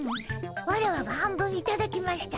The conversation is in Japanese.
ワラワが半分いただきました。